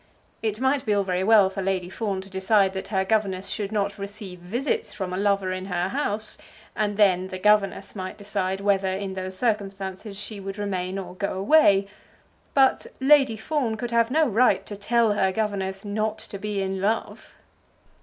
It might be all very well for Lady Fawn to decide that her governess should not receive visits from a lover in her house; and then the governess might decide whether, in those circumstances, she would remain or go away; but Lady Fawn could have no right to tell her governess not to be in love.